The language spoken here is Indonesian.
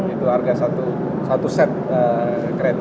itu harga satu set